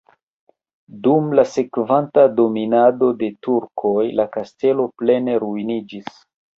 Dum la sekvanta dominado de turkoj la kastelo plene ruiniĝis.